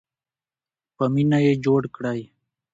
په مینه یې جوړ کړئ.